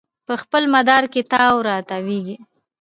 په خپل مدار کې تاو راتاویږي